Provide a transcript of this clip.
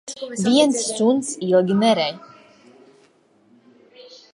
Viens suns ilgi nerej.